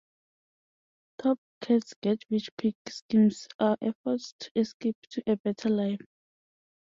Top Cat's get-rich-quick schemes are efforts to escape to a better life.